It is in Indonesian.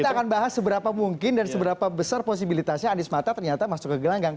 kita akan bahas seberapa mungkin dan seberapa besar posibilitasnya anies mata ternyata masuk ke gelanggang